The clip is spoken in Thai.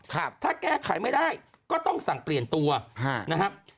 ถ้าแก้ไขไม่ได้ก็ต้องสั่งเปลี่ยนตัวฮะนะครับ